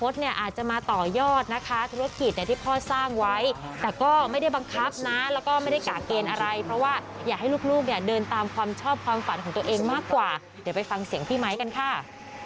เสียงพี่ไม้กันค่ะ